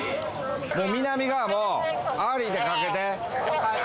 もう南側もアーリーでかけて。